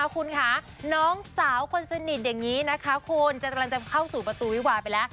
คุณค่ะน้องสาวคนสนิทอย่างนี้นะคะคุณกำลังจะเข้าสู่ประตูวิวาไปแล้ว